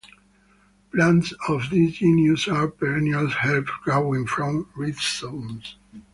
Plants of this genus are perennial herbs growing from rhizomes.